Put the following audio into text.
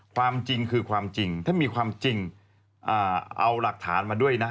ความจริงคือความจริงถ้ามีความจริงเอาหลักฐานมาด้วยนะ